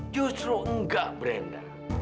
justru nggak brenda